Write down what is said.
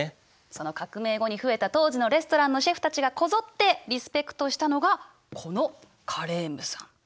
その革命後に増えた当時のレストランのシェフたちがこぞってリスペクトしたのがこのカレームさん。